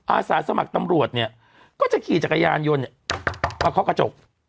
อาสาสมัครตำรวจเนี่ยก็จะขี่จักรยานยนต์เนี่ยมาเคาะกระจก